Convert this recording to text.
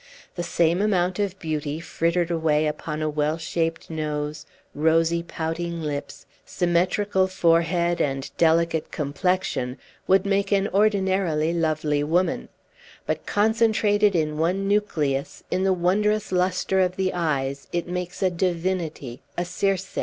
The same amount of beauty frittered away upon a well shaped nose, rosy, pouting lips, symmetrical forehead, and delicate complexion, would make an ordinarily lovely woman; but concentrated in one nucleus, in the wondrous lustre of the eyes, it makes a divinity, a Circe.